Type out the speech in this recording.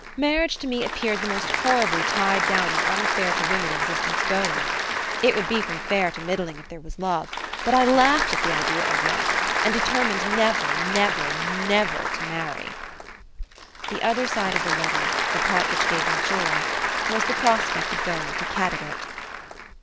Marriage to me appeared the most horribly tied down and unfair to women existence going. It would be from fair to middling if there was love; but I laughed at the idea of love, and determined never, never, never to marry. The other side of the letter the part which gave me joy was the prospect of going to Caddagat.